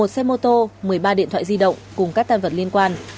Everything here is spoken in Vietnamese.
một mươi một xe mô tô một mươi ba điện thoại di động cùng các tàn vật liên quan